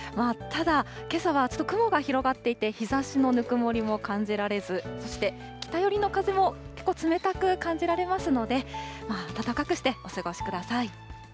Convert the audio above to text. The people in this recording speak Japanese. ただ、けさはちょっと雲が広がっていて、日ざしのぬくもりも感じられず、そして北寄りの風も結構冷たく感じられますので、暖かくしてお過ごしください。